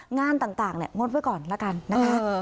งานต่างงดไว้ก่อนแล้วกันนะคะ